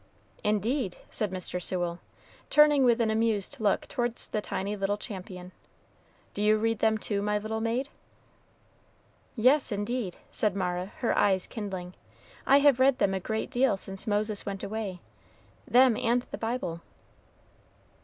"Indeed!" said Mr. Sewell, turning with an amused look towards the tiny little champion; "do you read them, too, my little maid?" "Yes, indeed," said Mara, her eyes kindling; "I have read them a great deal since Moses went away them and the Bible."